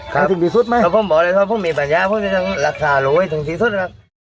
ให้ถึงที่สุดไหมครับครับผมบอกเลยครับพวกมีปัญญาพวกจะจะหลักศาหรูไว้ถึงที่สุดนะครับ